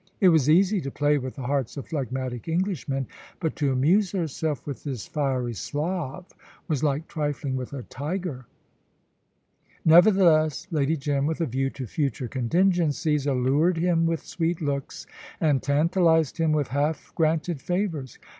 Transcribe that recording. It was easy to play with the hearts of phlegmatic Englishmen, but to amuse herself with this fiery Slav was like trifling with a tiger. Nevertheless, Lady Jim, with a view to future contingencies, allured him with sweet looks, and tantalised him with half granted favours.